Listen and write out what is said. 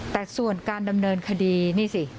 แต่ส่วนการดำเนินคดีนี่สิ